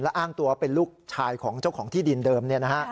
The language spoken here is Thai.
อ้างตัวเป็นลูกชายของเจ้าของที่ดินเดิม